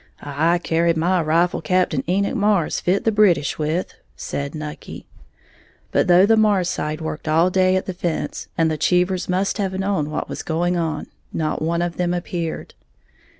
"I carried my rifle Cap'n Enoch Marrs fit the British with," said Nucky. But though the Marrs side worked all day at the fence, and the Cheevers must have known what was going on, not one of them appeared.